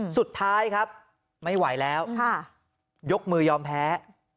สุดท้ายครับไม่ไหวแล้วยกมือยอมแพ้